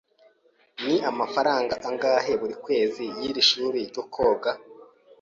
Ni amafaranga angahe buri kwezi y'iri shuri ryo koga?